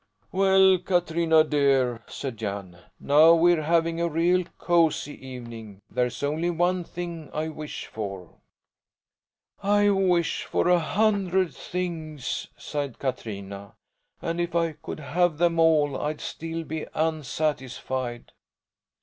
"Well, Katrina dear," said Jan, "now we're having a real cosy evening. There's only one thing I wish for." "I wish for a hundred things!" sighed Katrina, "and if I could have them all I'd still be unsatisfied."